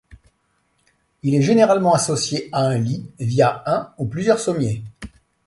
Il est généralement associé à un lit via un ou plusieurs sommiers.